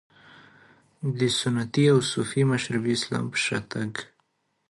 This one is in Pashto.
د سنتي او صوفي مشربي اسلام په شا تګ.